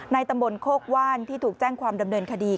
ตำบลโคกว่านที่ถูกแจ้งความดำเนินคดี